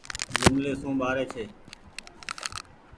جملي سون ٻآري ڇي۔